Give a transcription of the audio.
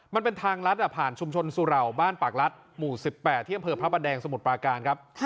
มันเป็นทางลัดผ่านชุมชนสุเหล่าบ้านปากรัฐหมู่๑๘ที่อำเภอพระประแดงสมุทรปาการครับ